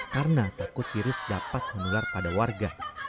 karena takut virus dapat menular pada warga